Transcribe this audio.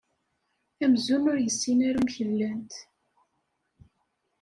Amzun ur yessin ara amek llant.